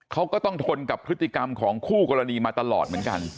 เขาก็ต้องทนกับพฤติกรรมของคู่กรณีมาตลอดเหมือนกัน